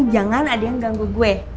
jangan ada yang ganggu gue